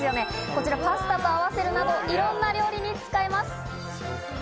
こちらパスタと合わせるなど、いろんな料理に使えます。